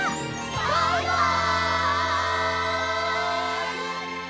バイバイ！